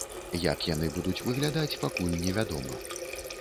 Як яны будуць выглядаць, пакуль невядома.